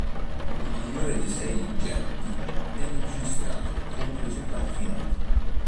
Il migliore dei sei getti viene registrato come risultato finale.